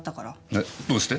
えどうして？